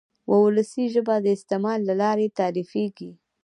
وولسي ژبه د استعمال له لارې تعریفېږي.